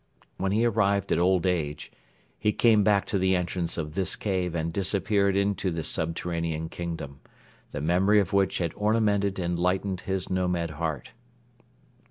When he arrived at old age, he came back to the entrance of this cave and disappeared into the subterranean kingdom, the memory of which had ornamented and lightened his nomad heart.